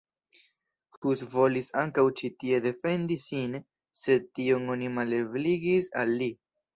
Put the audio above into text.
Hus volis ankaŭ ĉi tie defendi sin, sed tion oni malebligis al li.